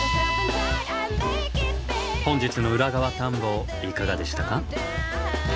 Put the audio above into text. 本日の裏側探訪いかがでしたか？